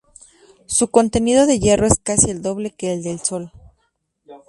Su contenido de hierro es casi el doble que el del Sol.